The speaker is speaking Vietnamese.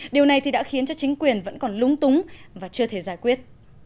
điều này thì đã khiến cho chính quyền vẫn còn lúng túng và chưa thể giải quyết